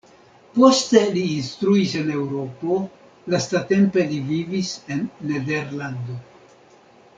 Poste li instruis en Eŭropo, lastatempe li vivis en Nederlando.